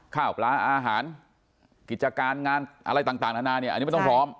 ข้าวปลาอาหารกิจการงานอะไรต่างนานาเนี่ยอันนี้ไม่ต้องพร้อม